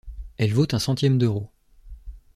Elle vaut un centième d'euro.